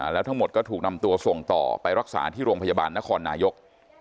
แล้วทั้งหมดก็ถูกนำตัวส่งต่อไปรักษาที่โรงพยาบาลนครนายก